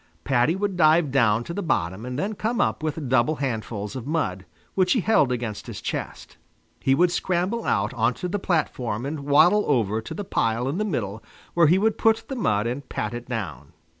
Paddy would dive down to the bottom and then come up with double handfuls of mud, which he held against his chest. He would scramble out onto the platform and waddle over to the pile in the middle, where he would put the mud and pat it down.